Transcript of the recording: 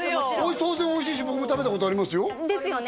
当然おいしいし僕も食べたことありますよですよね